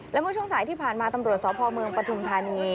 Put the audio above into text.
และเมื่อช่วงสายที่ผ่านมาตำรวจสพเมืองปฐุมธานี